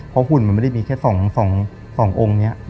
เพราะหุ่นมันไม่ได้มีแค่๒องค์นี้